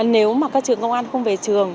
nếu mà các trường công an không về trường